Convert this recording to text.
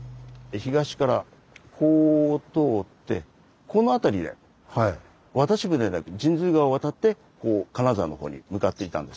東からこう通ってこの辺りで渡し船で神通川を渡ってこう金沢のほうに向かっていたんです。